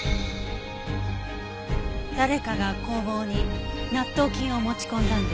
誰かが工房に納豆菌を持ち込んだんです。